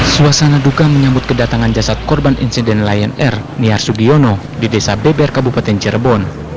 suasana duka menyambut kedatangan jasad korban insiden lion air niar sugiono di desa beber kabupaten cirebon